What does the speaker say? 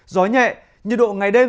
gió nhẹ nhiệt độ ngày đêm